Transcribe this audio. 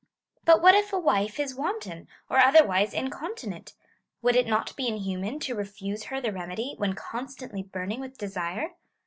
But what if a wife is wanton, or otherwise incontinent ? Would it not be inhuman to refuse her the remedy, when constantly burning with desire